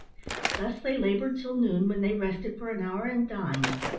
Thus they laboured till noon, when they rested for an hour and dined.